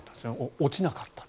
落ちなかった。